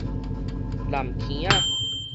湳坑仔